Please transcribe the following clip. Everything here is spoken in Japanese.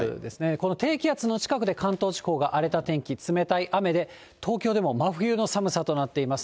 この低気圧の近くで関東地方が荒れた天気、冷たい雨で、東京でも真冬の寒さとなっています。